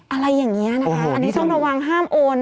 อะไรอย่างนี้นะคะอันนี้ต้องระวังห้ามโอน